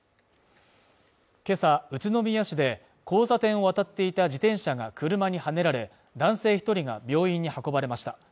今朝、宇都宮市で、交差点を渡っていた自転車が車にはねられ男性１人が病院に運ばれました。